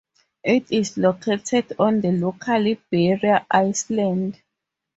It is located on the local barrier island.